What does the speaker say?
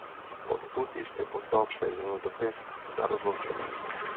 Odtud ještě poslal své ženě dopis na rozloučenou.